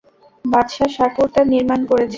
বাদশাহ শাকুর তা নির্মাণ করেছে।